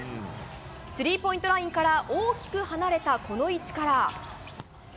スリーポイントラインから大きく離れたこの位置から。